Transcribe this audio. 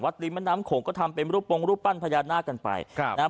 วัดริมั๊ดน้ำโขงก็ทำไปรูปปรุงรูปปั้นพญานาคกันไปครับ